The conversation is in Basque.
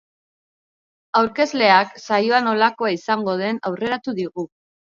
Aurkezleak saioa nolakoa izango den aurreratu digu.